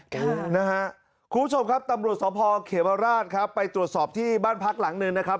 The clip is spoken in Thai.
คุณผู้ชมครับตำรวจสภเขวราชครับไปตรวจสอบที่บ้านพักหลังหนึ่งนะครับ